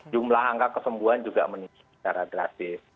jumlah angka kesembuhan juga meningkat secara drastis